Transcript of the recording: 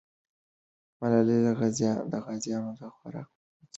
ملالۍ غازیانو ته خوراک او اوبه رسولې.